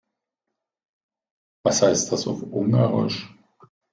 Was heißt das auf Ungarisch?